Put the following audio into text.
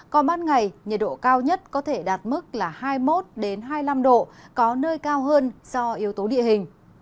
còn ban ngày nhiệt độ cao nhất có thể đạt mức là hai mươi một hai mươi năm độ có nơi cao hơn do yếu tố địa hình